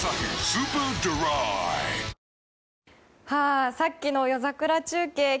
はあ、さっきの夜桜中継